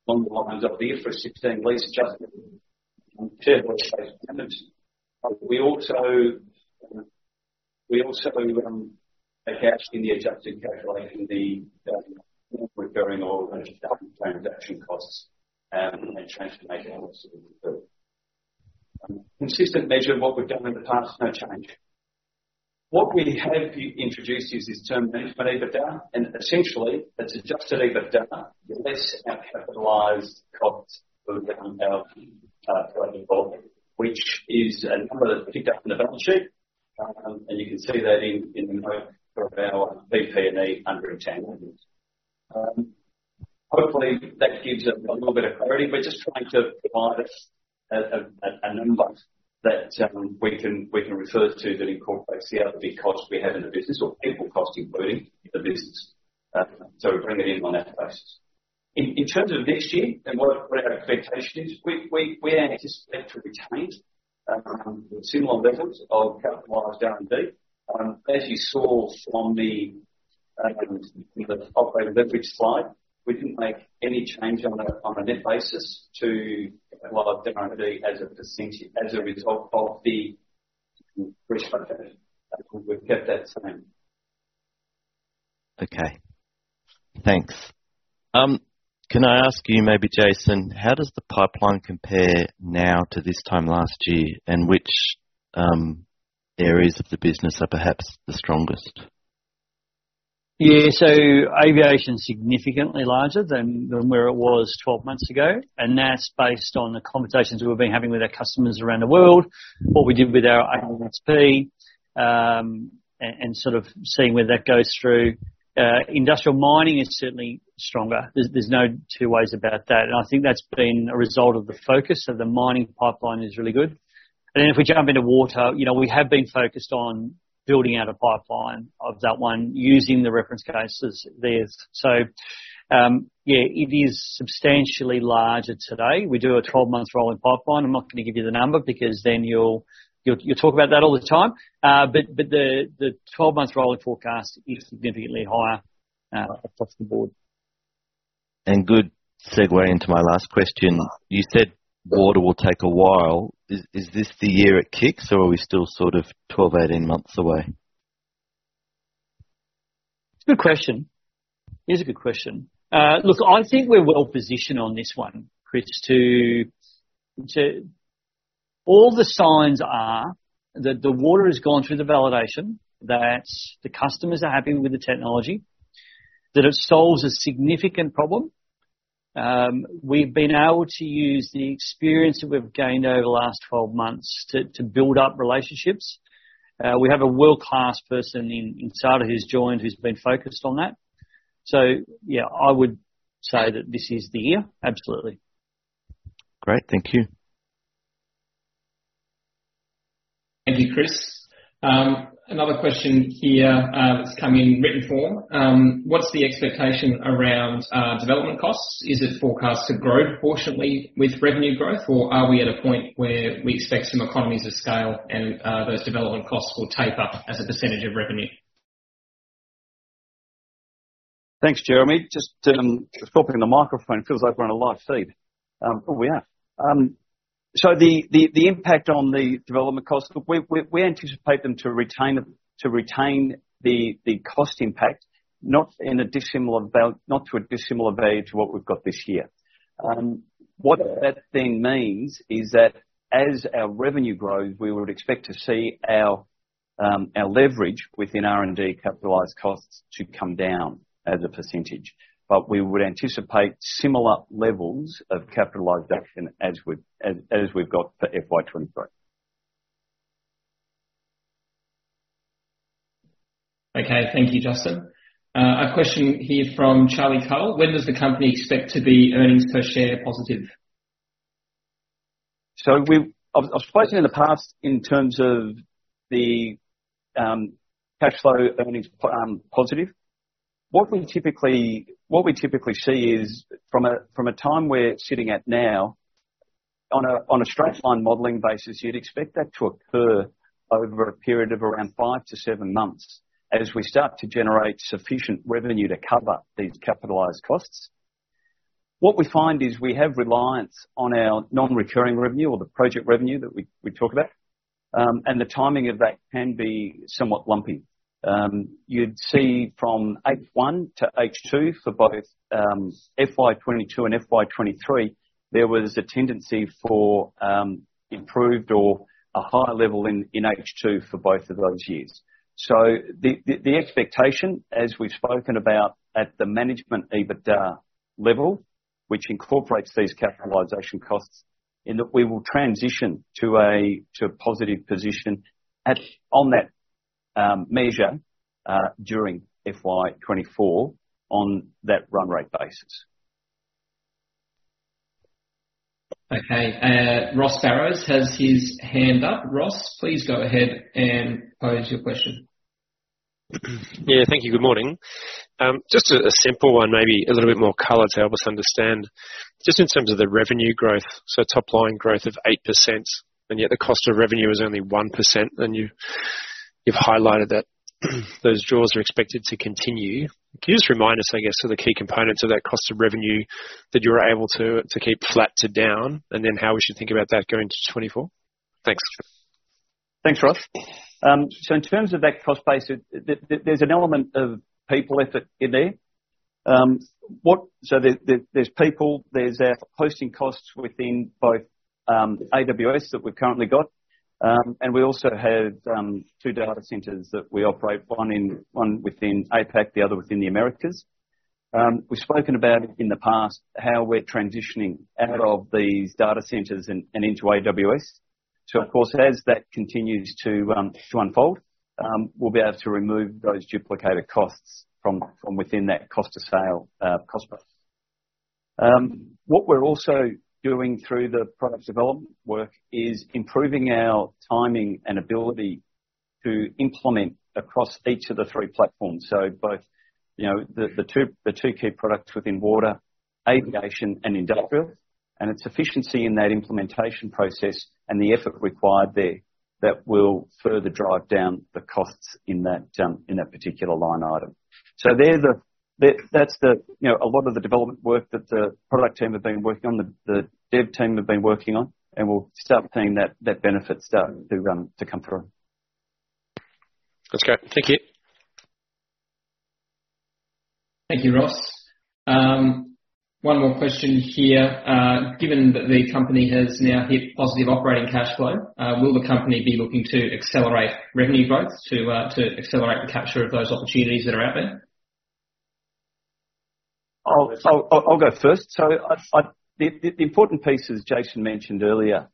on the lines of the infrastructure lease adjustment. We also, we also, account in the adjusted calculation, the, recurring or transaction costs, and transformation costs. Consistent measure of what we've done in the past, no change. What we have introduced is this term, management EBITDA, and essentially, it's adjusted EBITDA, less our capitalized costs around our project portfolio, which is a number that's picked up in the balance sheet. You can see that in, in the note for our PP&E under intangibles. Hopefully, that gives a, a little bit of clarity. We're just trying to provide us a, a, a, an inbox that, we can, we can refer to, that incorporates the other big costs we have in the business, or people costs, including the business. We bring it in on that basis. In, in terms of next year and what our, what our expectation is, we, we, we anticipate to retain, similar levels of capitalized R&D. As you saw on the, on the operating leverage slide, we didn't make any change on a, on a net basis to a lot of R&D as a result of the fresh budget. We've kept that the same. Okay, thanks. Can I ask you, maybe, Jason, how does the pipeline compare now to this time last year, and which areas of the business are perhaps the strongest? Yeah, aviation's significantly larger than, than where it was 12 months ago, and that's based on the conversations we've been having with our customers around the world, what we did with our ANSP, and sort of seeing where that goes through. Industrial mining is certainly stronger. There's, there's no two ways about that, and I think that's been a result of the focus, so the mining pipeline is really good. Then if we jump into Water, you know, we have been focused on building out a pipeline of that one using the reference cases there. Yeah, it is substantially larger today. We do a 12-month rolling pipeline. I'm not going to give you the number because then you'll, you, you talk about that all the time. But the, the 12-month rolling forecast is significantly higher across the board. Good segue into my last question. You said Water will take a while. Is this the year it kicks, or are we still sort of 12, 18 months away? It's a good question. It is a good question. Look, I think we're well positioned on this one, Chris. All the signs are that the Water has gone through the validation, that the customers are happy with the technology, that it solves a significant problem. We've been able to use the experience that we've gained over the last 12 months to build up relationships. We have a world-class person inside who's joined, who's been focused on that. Yeah, I would say that this is the year, absolutely. Great. Thank you. Thank you, Chris. Another question here, that's come in written form: What's the expectation around development costs? Is it forecast to grow proportionately with revenue growth, or are we at a point where we expect some economies of scale and those development costs will taper as a percentage of revenue? Thanks, Jeremy. Just, talking in the microphone, feels like we're on a live feed. Oh, we are. The, the, the impact on the development costs, we, we, we anticipate them to retain it, to retain the, the cost impact, not in a dissimilar not to a dissimilar value to what we've got this year. What that then means is that as our revenue grows, we would expect to see our, our leverage within R&D capitalized costs to come down as a %. We would anticipate similar levels of capitalization as we're, as, as we've got for FY 2023. Okay, thank you, Justin. A question here from Charlie Koe: When does the company expect to be earnings per share positive? I've spoken in the past in terms of the cash flow earnings positive. What we typically, what we typically see is, from a time we're sitting at now, on a straight-line modeling basis, you'd expect that to occur over a period of around five to seven months as we start to generate sufficient revenue to cover these capitalized costs. What we find is we have reliance on our non-recurring revenue or the project revenue that we talk about. The timing of that can be somewhat lumpy. You'd see from H1 to H2 for both FY 2020 and FY 2023, there was a tendency for improved or a higher level in H2 for both of those years. The, the, the expectation, as we've spoken about at the management EBITDA level, which incorporates these capitalization costs, in that we will transition to a, to a positive position at, on that measure during FY 2024 on that run rate basis. Okay, Ross Barrows has his hand up. Ross, please go ahead and pose your question. Yeah, thank you. Good morning. Just a simple one, maybe a little bit more color to help us understand. Just in terms of the revenue growth, so top line growth of 8%, and yet the cost of revenue is only 1%, and you've highlighted that, those draws are expected to continue. Can you just remind us, I guess, of the key components of that cost of revenue that you're able to keep flat to down, and then how we should think about that going into 2024? Thanks. Thanks, Ross. In terms of that cost base, there's an element of people effort in there. There's people, there's our hosting costs within both AWS that we've currently got, and we also have 2 data centers that we operate, one in, one within APAC, the other within the Americas. We've spoken about in the past, how we're transitioning out of these data centers and into AWS. Of course, as that continues to unfold, we'll be able to remove those duplicated costs from within that cost of sale, cost base. What we're also doing through the product development work is improving our timing and ability to implement across each of the 3 platforms. Both, you know, the, the two, the two key products within Water, Aviation, and Industrial, and it's efficiency in that implementation process and the effort required there that will further drive down the costs in that, in that particular line item. They're the, that's the, you know, a lot of the development work that the product team have been working on, the, the dev team have been working on, and we'll start seeing that, that benefit starting to, to come through. That's great. Thank you. Thank you, Ross. One more question here. Given that the company has now hit positive operating cash flow, will the company be looking to accelerate revenue growth to, to accelerate the capture of those opportunities that are out there? I'll, I'll, I'll go first. The important piece, as Jason mentioned earlier,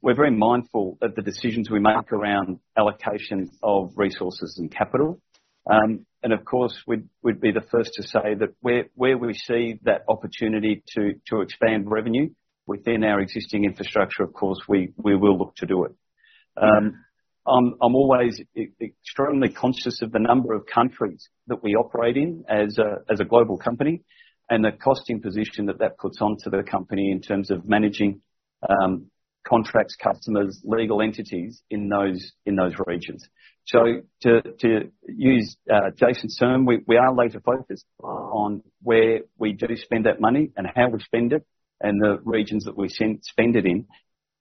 we're very mindful of the decisions we make around allocation of resources and capital. Of course, we'd, we'd be the first to say that where, where we see that opportunity to, to expand revenue within our existing infrastructure, of course, we, we will look to do it. I'm, I'm always extremely conscious of the number of countries that we operate in as a, as a global company, and the costing position that, that puts onto the company in terms of managing contracts, customers, legal entities in those, in those regions. To, to use Jason's term, we, we are laser focused on where we do spend that money and how we spend it, and the regions that we spend it in.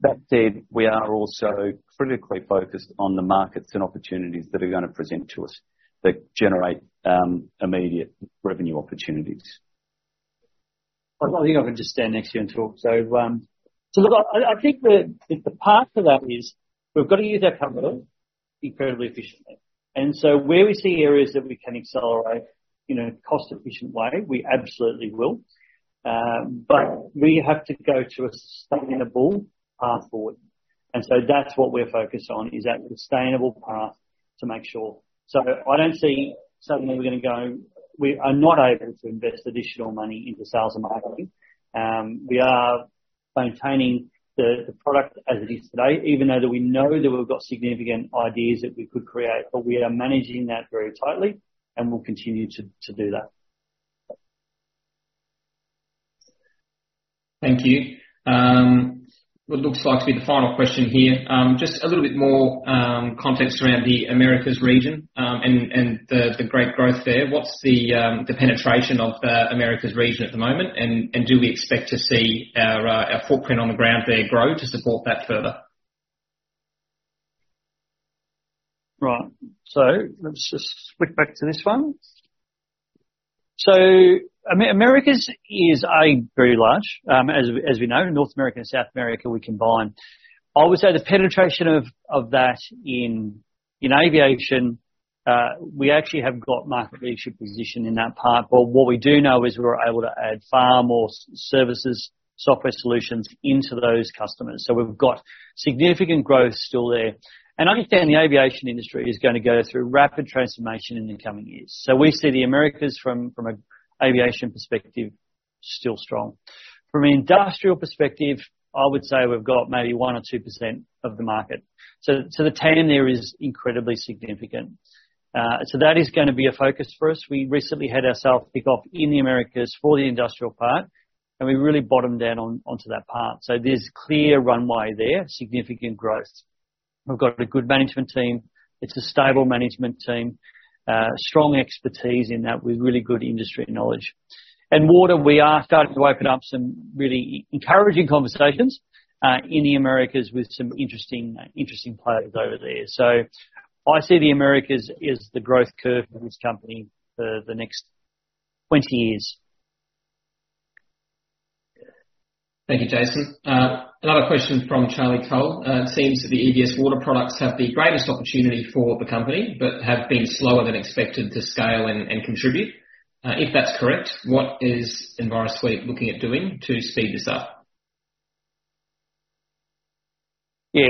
That said, we are also critically focused on the markets and opportunities that are gonna present to us, that generate immediate revenue opportunities. I think I can just stand next to you and talk. I think the path to that is we've got to use our capital incredibly efficiently. Where we see areas that we can accelerate in a cost-efficient way, we absolutely will. We have to go to a sustainable path forward, and that's what we're focused on, is that sustainable path to make sure. I don't see suddenly we're gonna go. We are not open to invest additional money into sales and marketing. We are maintaining the product as it is today, even though that we know that we've got significant ideas that we could create, but we are managing that very tightly, and we'll continue to do that. Thank you. What looks like to be the final question here. Just a little bit more context around the Americas region, and the great growth there. What's the penetration of the Americas region at the moment, and do we expect to see our footprint on the ground there grow to support that further? Right. Let's just flick back to this one. Americas is a very large, as, as we know, North America and South America, we combine. I would say the penetration of, of that in, in aviation, we actually have got market leadership position in that part. What we do know is we're able to add far more services, software solutions into those customers. We've got significant growth still there. I understand the aviation industry is gonna go through rapid transformation in the coming years. We see the Americas from, from an aviation perspective, still strong. From an industrial perspective, I would say we've got maybe 1% or 2% of the market. So the TAM there is incredibly significant. That is gonna be a focus for us. We recently had our sales kick off in the Americas for the industrial part, we really bottomed down onto that part. There's clear runway there, significant growth. We've got a good management team. It's a stable management team, strong expertise in that, with really good industry knowledge. Water, we are starting to open up some really encouraging conversations in the Americas with some interesting, interesting players over there. I see the Americas as the growth curve for this company for the next 20 years. Thank you, Jason. Another question from Charlie Koe. "Seems that the EVS Water products have the greatest opportunity for the company, but have been slower than expected to scale and contribute. If that's correct, what is Envirosuite looking at doing to speed this up? Yeah.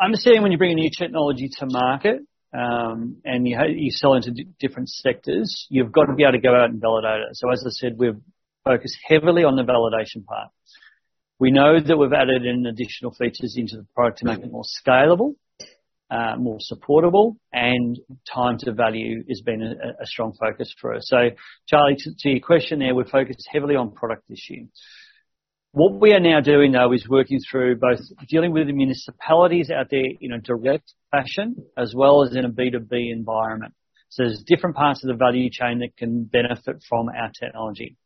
Understanding when you bring a new technology to market, and you sell into different sectors, you've got to be able to go out and validate it. As I said, we're focused heavily on the validation part. We know that we've added in additional features into the product to make it more scalable, more supportable, and time to value has been a strong focus for us. Charlie, to your question there, we're focused heavily on product issues. What we are now doing, though, is working through both dealing with the municipalities out there in a direct fashion, as well as in a B2B environment. There's different parts of the value chain that can benefit from our technology.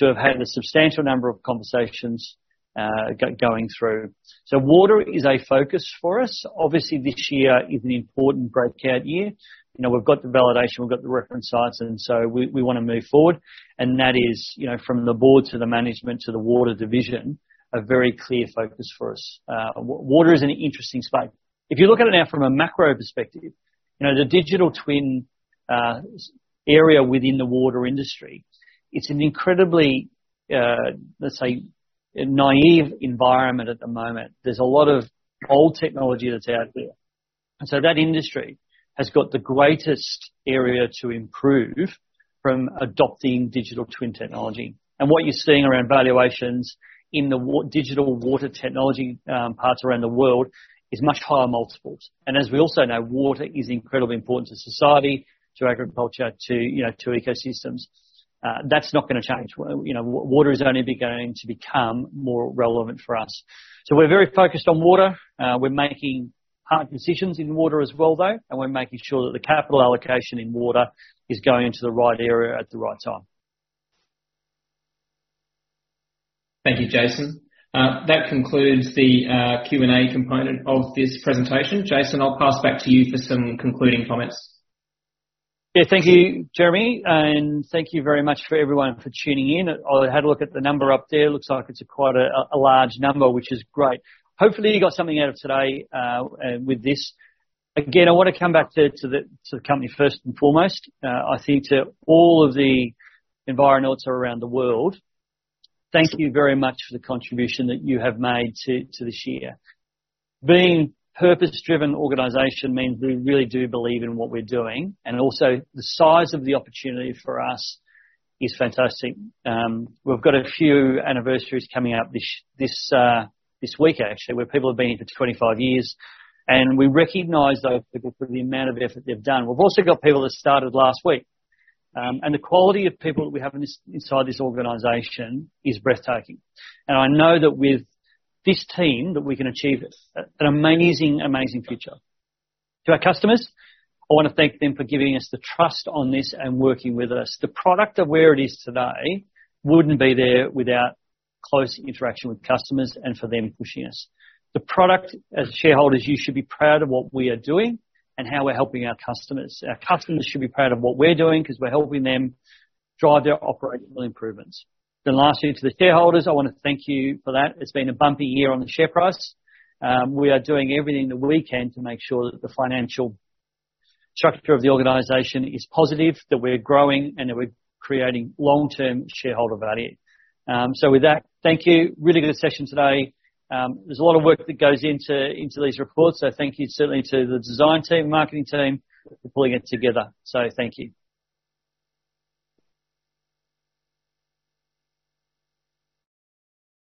We've had a substantial number of conversations going through. Water is a focus for us. Obviously, this year is an important breakout year. You know, we've got the validation, we've got the reference sites, and so we, we wanna move forward, and that is, you know, from the board to the management to the Water division, a very clear focus for us. Water is an interesting space. If you look at it now from a macro perspective, you know, the digital twin area within the Water industry, it's an incredibly, let's say, a naive environment at the moment. There's a lot of old technology that's out there. That industry has got the greatest area to improve from adopting digital twin technology. What you're seeing around valuations in the Digital Water Technology parts around the world, is much higher multiples. As we also know, Water is incredibly important to society, to agriculture, to, you know, to ecosystems. That's not gonna change. You know, Water is only going to become more relevant for us. We're very focused on Water. We're making hard decisions in Water as well, though, and we're making sure that the capital allocation in Water is going into the right area at the right time. Thank you, Jason. That concludes the Q&A component of this presentation. Jason, I'll pass back to you for some concluding comments. Yeah. Thank you, Jeremy. Thank you very much for everyone for tuning in. I had a look at the number up there. Looks like it's quite a, a large number, which is great. Hopefully, you got something out of today with this. Again, I want to come back to, to the, to the company first and foremost. I think to all of the Environauts around the world, thank you very much for the contribution that you have made to this year. Being purpose-driven organization means we really do believe in what we're doing, and also the size of the opportunity for us is fantastic. We've got a few anniversaries coming up this, this week, actually, where people have been here for 25 years, and we recognize those people for the amount of effort they've done. We've also got people that started last week, and the quality of people that we have inside this organization is breathtaking. I know that with this team, that we can achieve an amazing, amazing future. To our customers, I want to thank them for giving us the trust on this and working with us. The product and where it is today wouldn't be there without close interaction with customers and for them pushing us. The product, as shareholders, you should be proud of what we are doing and how we're helping our customers. Our customers should be proud of what we're doing because we're helping them drive their operational improvements. Lastly, to the shareholders, I want to thank you for that. It's been a bumpy year on the share price. We are doing everything that we can to make sure that the financial structure of the organization is positive, that we're growing, and that we're creating long-term shareholder value. With that, thank you. Really good session today. There's a lot of work that goes into, into these reports, thank you certainly to the design team, marketing team, for pulling it together. Thank you.